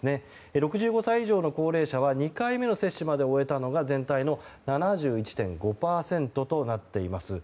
６５歳以上の高齢者は２回目の接種まで終えたのが全体の７１．５％となっています。